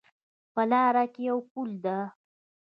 په لاره کې یو پل ده